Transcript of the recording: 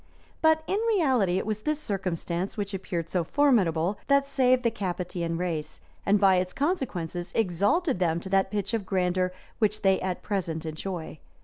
But, in reality, it was this circumstance, which appeared so formidable, that saved the Capetian race, and, by its consequences, exalted them to that pitch of grandeur which they at present enjoy.